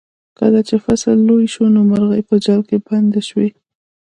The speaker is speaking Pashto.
کله چې فصل لوی شو نو مرغۍ په جال کې بندې شوې.